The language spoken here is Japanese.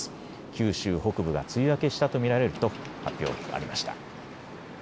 九州北部が梅雨明けしたと見られると発表がありました。